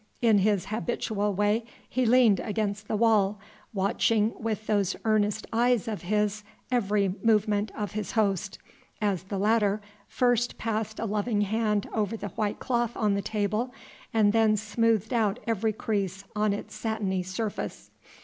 In his habitual way he leaned against the wall, watching with those earnest eyes of his every movement of his host, as the latter first passed a loving hand over the white cloth on the table and then smoothed out every crease on its satiny surface.